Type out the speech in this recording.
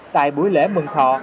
tại buổi lễ mừng thọ